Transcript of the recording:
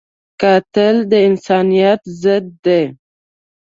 قاتل د انسانیت ضد دی